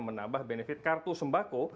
menambah benefit kartu sembako